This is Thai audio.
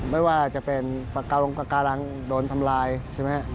ไม่ว่าจะเป็นปากกาลังก์แบบเดินทำลายใช่ไหม